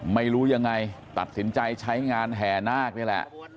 ไม่รู้ยังไงตัดสินใจใช้งานแห่นาคนี่แหละ